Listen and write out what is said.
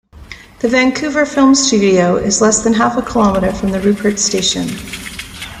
The Vancouver Film Studio is less than half a kilometer from the Rupert station.